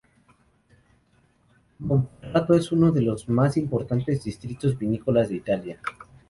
Monferrato es uno de los más importantes distritos vinícolas de Italia.